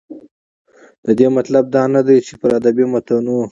د دې مطلب دا نه دى، چې پر ادبي متونو